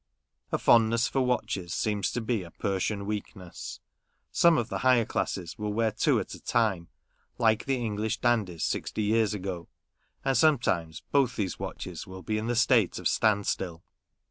A fondness for watches seems to be a Persian weakness ; some of the higher classes will wear two at a time, like the English dandies sixty years ago ; and some times both these watches will be in the state of stand still.